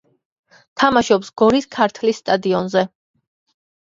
თამაშობს გორის „ქართლის“ სტადიონზე.